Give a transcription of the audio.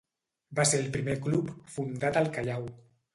Va ser el primer club fundat al Callao.